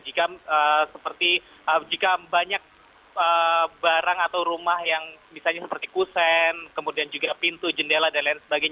jika seperti jika banyak barang atau rumah yang misalnya seperti kusen kemudian juga pintu jendela dan lain sebagainya